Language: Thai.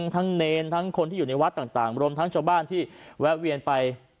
เนรทั้งคนที่อยู่ในวัดต่างรวมทั้งชาวบ้านที่แวะเวียนไป